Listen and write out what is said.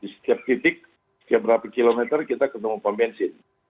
di setiap titik setiap berapa kilometer kita ketemu pom bensin